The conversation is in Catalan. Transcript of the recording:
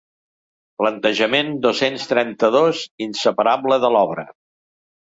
Plantejament dos-cents trenta-dos inseparable de l'obra.